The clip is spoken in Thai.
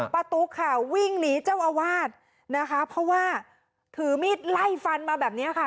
ตุ๊กค่ะวิ่งหนีเจ้าอาวาสนะคะเพราะว่าถือมีดไล่ฟันมาแบบนี้ค่ะ